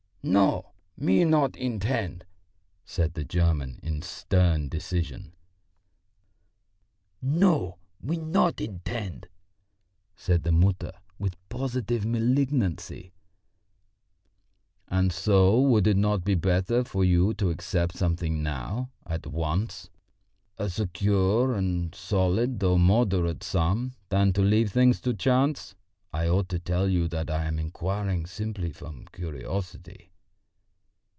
"No, me not intend," said the German in stern decision. "No, we not intend," said the Mutter, with positive malignancy. "And so would it not be better for you to accept something now, at once, a secure and solid though moderate sum, than to leave things to chance? I ought to tell you that I am inquiring simply from curiosity."